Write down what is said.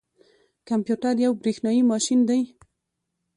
کمپيوټر یو بریښنايي ماشین دی